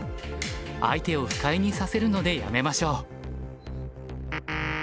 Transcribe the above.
相手を不快にさせるのでやめましょう。